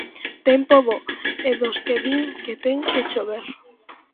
Tempo bo e dos que din que ten que chover.